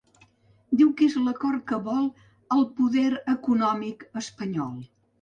Diu que és l’acord que vol ‘el poder econòmic espanyol’.